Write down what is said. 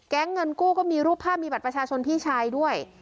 เงินกู้ก็มีรูปภาพมีบัตรประชาชนพี่ชายด้วย